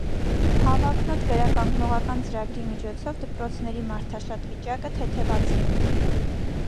Հավակնոտ վերականգնողական ծրագրի միջոցով դպրոցների մարդաշատ վիճակը թեթևացել է։